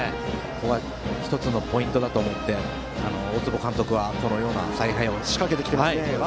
１つのポイントだと思って大坪監督はこのような采配を仕掛けてきていますね。